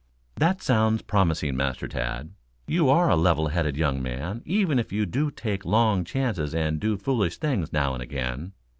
"That sounds promising, Master Tad. You are a level headed young man, even if you do take long chances and do foolish things now and again.